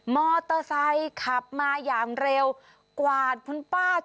มอเตอร์ไซค์ขับมาอย่างเร็วกวาดคุณป้า